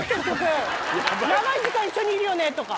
「長い時間一緒にいるよね」とか。